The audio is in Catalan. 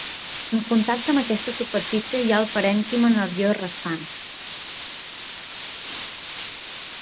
En contacte amb aquesta superfície hi ha el parènquima nerviós restant.